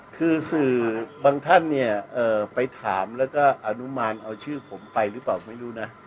คือสื่อบางท่านเนี่ยไปถามแล้วก็อนุมานเอาชื่อผมไปหรือเปล่าไม่รู้นะ